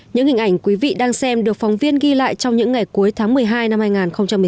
những hình ảnh quý vị đang xem được phóng viên ghi lại trong những ngày cuối tháng một mươi hai năm hai nghìn một mươi chín